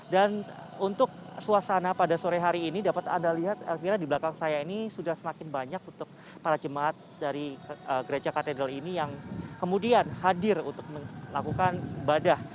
dan untuk suasana pada sore hari ini dapat anda lihat elvira di belakang saya ini sudah semakin banyak untuk para jemaat dari gereja katedral ini yang kemudian hadir untuk melakukan ibadah